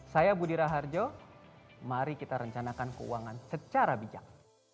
saya budira harjo mari kita rencanakan keuangan secara bijak